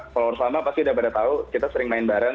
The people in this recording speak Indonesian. follower sama pasti udah pada tahu kita sering main bareng